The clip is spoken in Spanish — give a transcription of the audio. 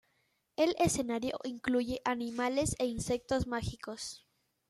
El escenario incluye animales e insectos mágicos.